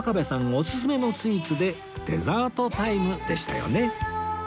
オススメのスイーツでデザートタイムでしたよね